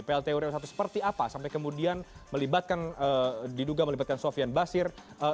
plt uriau i seperti apa sampai kemudian melibatkan diduga melibatkan sofian basir